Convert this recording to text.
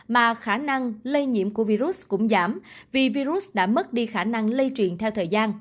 mà khả năng lây nhiễm của virus cũng giảm vì virus đã mất đi khả năng lây truyền theo thời gian